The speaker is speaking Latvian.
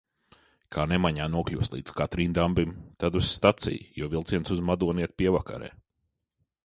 Kā nemaņā nokļūst līdz Katrīndambim, tad uz staciju, jo vilciens uz Madonu iet pievakarē.